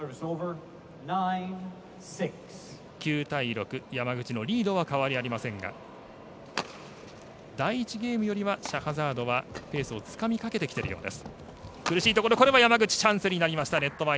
９対６、山口のリードは変わりありませんが第１ゲームよりはシャハザードはペースをつかみかけているようです。